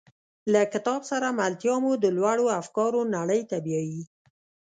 له کتاب سره ملتیا مو د لوړو افکارو نړۍ ته بیایي.